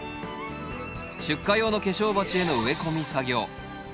出荷用の化粧鉢への植え込み作業。